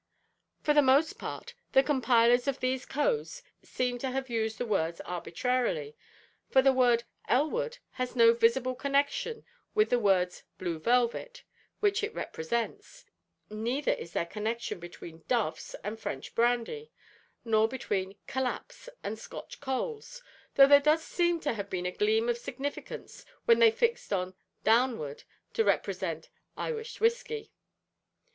For the most part, the compilers of these codes seem to have used the words arbitrarily, for the word `_Ellwood_' has no visible connection with the words `_Blue Velvet_,' which it represents; neither is there connection between `_Doves_' and `_French Brandy_,' nor between `_Collapse_' and `_Scotch Coals_,' though there does seem to have been a gleam of significance when they fixed on `_Downward_' to represent `_Irish Whisky_.'"